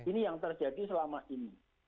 ini yang terjadi selama ini